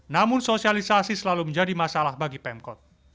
namun sosialisasi selalu menjadi masalah bagi pemkot